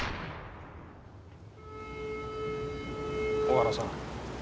大原さん